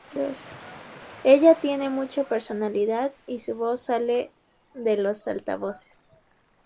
Ella tiene mucha personalidad y su voz sale de los altavoces.